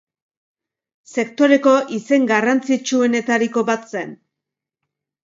Sektoreko izen garrantzitsuenetariko bat zen.